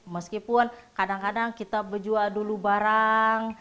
meskipun kadang kadang kita berjual dulu barang